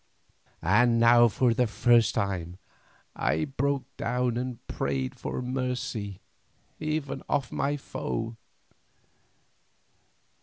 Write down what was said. And now for the first time I broke down and prayed for mercy even of my foe.